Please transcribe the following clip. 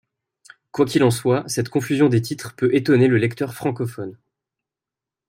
Quoi qu'il en soit, cette confusion des titres peut étonner le lecteur francophone.